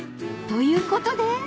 ということで］